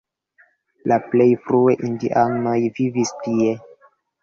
La plej frue indianoj vivis tie.